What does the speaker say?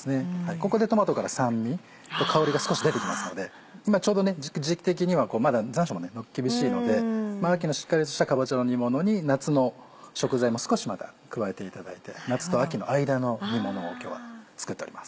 ここでトマトから酸味と香りが少し出てきますので今ちょうど時期的にはまだ残暑も厳しいので秋のしっかりとしたかぼちゃの煮物に夏の食材も少し加えていただいて夏と秋の間の煮物を今日は作っております。